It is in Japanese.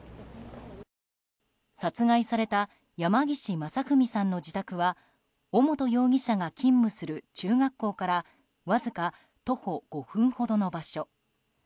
殺害された山岸正文さんの自宅は尾本容疑者が勤務する中学校からわずか徒歩５分ほどの場所。